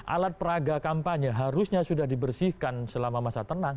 alat peragakampanye harusnya sudah dibersihkan selama masa tenang